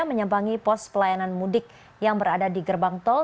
menyambangi pos pelayanan mudik yang berada di gerbang tol